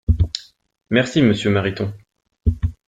Merci monsieur Mariton.